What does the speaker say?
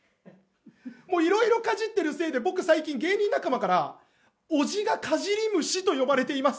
いろいろかじってるせいで、僕、最近、芸人仲間から「おじがかじり虫」と呼ばれています。